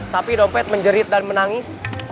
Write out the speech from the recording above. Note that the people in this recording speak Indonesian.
tapi dompet menjerit dan menangis